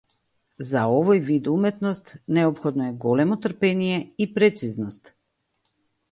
За овој вид уметност неопходно е големо трпение и прецизност.